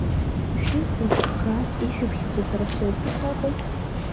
Шәызегьы ӷас ишәыԥхьаӡо сара соуп, ус акәу?